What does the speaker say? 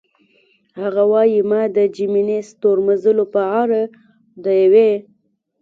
هغه وايي: "ما د جیمیني ستورمزلو په اړه د یوې.